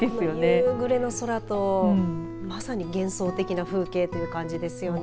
夕暮れの空とまさに幻想的な風景という感じですよね。